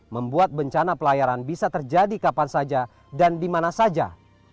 membuat bencana pelayaran bisa terjadi kapan saja dan dimana saja